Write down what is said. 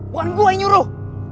bukan gue yang nyuruh